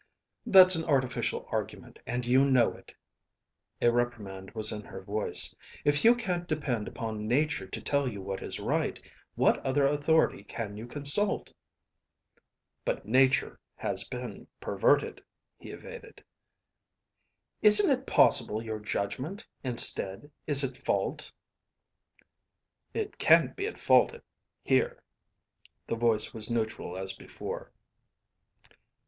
"That's an artificial argument, and you know it." A reprimand was in her voice. "If you can't depend upon Nature to tell you what is right, what other authority can you consult?" "But Nature has been perverted," he evaded. "Isn't it possible your judgment instead is at fault?" "It can't be at fault, here." The voice was neutral as before.